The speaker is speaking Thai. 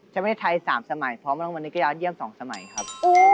ชาเวสไทย๓สมัยพร้อมมาในกระยะเยี่ยม๒สมัยครับ